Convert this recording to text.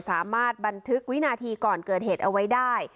สามารถบันทึกวินาทีก่อนเกิดเหตุเอาไว้ได้